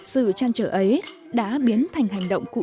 sự trăn trở ấy đã biến thành hành động cụ thể